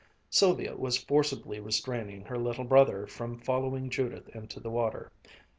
Sylvia was forcibly restraining her little brother from following Judith into the water.